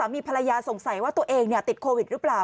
มีภรรยาสงสัยว่าตัวเองติดโควิดหรือเปล่า